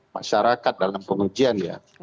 masyarakat dalam pengujian ya